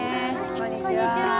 こんにちは。